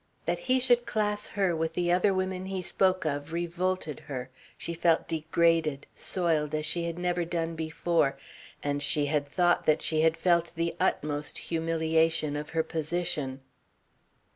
That he should class her with the other women he spoke of revolted her, she felt degraded, soiled as she had never done before, and she had thought that she had felt the utmost humiliation of her position.